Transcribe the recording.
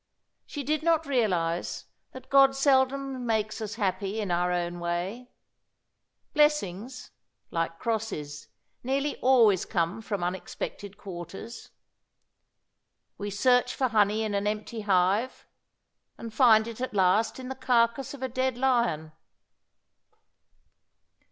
She did not realize that God seldom makes us happy in our own way. Blessings, like crosses, nearly always come from unexpected quarters. We search for honey in an empty hive, and find it at last in the carcase of a dead lion.